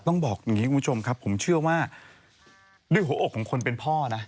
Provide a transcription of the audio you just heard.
คุณผู้ชมครับด้วยหัวอกที่คนเป็นพ่อ